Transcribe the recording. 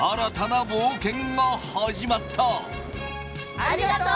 ありがとう！